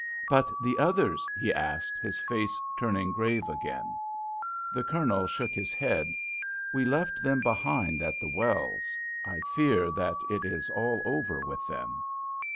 "But the others?" he asked, his face turning grave again. The Colonel shook his head. "We left them behind at the wells. I fear that it is all over with them."